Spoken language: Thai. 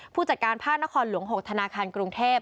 ผู้จัดการภาคนครหลวง๖ธนาคารกรุงเทพ